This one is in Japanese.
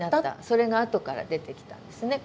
それがあとから出てきたんですね